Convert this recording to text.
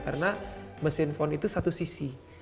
karena mesin plong itu satu sisi